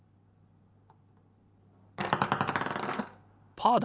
パーだ！